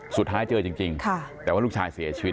เจอจริงแต่ว่าลูกชายเสียชีวิต